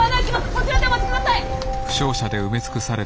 そちらでお待ちください！